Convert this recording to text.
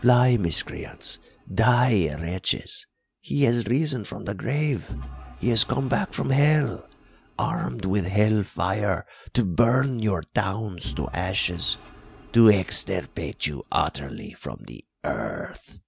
Fly, miscreants! Die, wretches! He has risen from the grave he has come back from hell, armed with hell fire to burn your towns to ashes to extirpate you utterly from the earth!'"